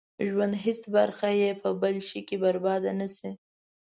ژوند هېڅ برخه يې په بل شي کې برباده نه شي.